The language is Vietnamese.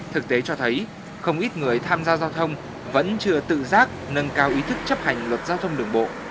thực tế cho thấy không ít người tham gia giao thông vẫn chưa tự giác nâng cao ý thức chấp hành luật giao thông đường bộ